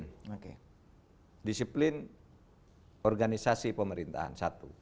dr guruca pengurusan pemerintahan satu